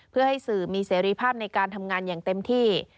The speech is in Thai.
เพื่อให้สื่อมีเสรีภาพในการทำงานอย่างเต็มที่